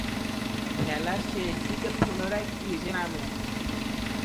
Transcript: খেলার শেষদিকে পুনরায় ক্রিজে নামেন।